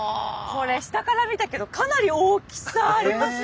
これ下から見たけどかなり大きさありますよね。